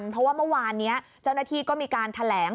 เพราะว่าเมื่อวานนี้เจ้าหน้าที่ก็มีการแถลง